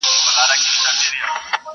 هر څوک د پېښې کيسه بيا بيا تکراروي